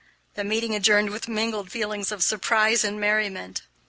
The meeting adjourned with mingled feelings of surprise and merriment.